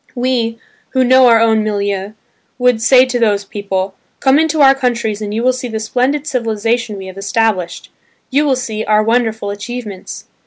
We, who know our own milieu, would say to those people, "Come into our countries and you will see the splendid civilisation we have established, you will see our wonderful achievements."